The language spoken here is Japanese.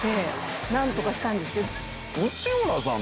何とかしたんですけど。